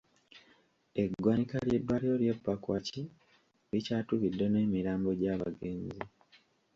Eggwanika ly'eddwaliro ly'e Pakwach likyatubidde n'emirambo gy'abagenzi.